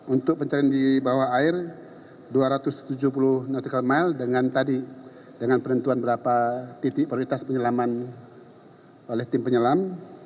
untuk pencarian di bawah air dua ratus tujuh puluh nm dengan penentuan berapa titik prioritas penyelaman oleh tim penyelam